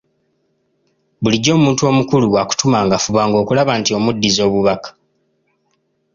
Bulijjo omuntu omukulu bw’akutumanga fubanga okulaba nti omuddiza obubaka.